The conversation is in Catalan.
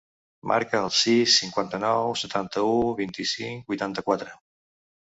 Marca el sis, cinquanta-nou, setanta-u, vint-i-cinc, vuitanta-quatre.